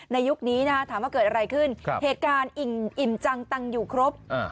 ในยุคนี้นะฮะถามว่าเกิดอะไรขึ้นครับเหตุการณ์อิ่มอิ่มจังตังอยู่ครบอ่า